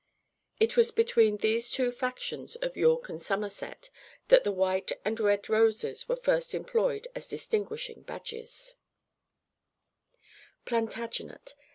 It was between these two factions of York and Somerset, that the white and red roses were first employed as distinguishing badges. [Illustration: Warwick. [TN]] _Plantagenet.